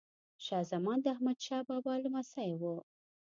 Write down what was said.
شاه زمان د احمد شاه بابا لمسی وه.